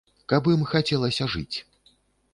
Каб ім хацелася жыць!